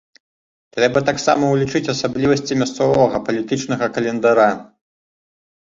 Трэба таксама ўлічыць асаблівасці мясцовага палітычнага календара.